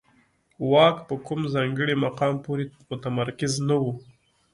واک په کوم ځانګړي مقام پورې متمرکز نه و